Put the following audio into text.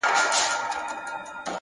هوډ د نیمګړو لارو بشپړونکی دی!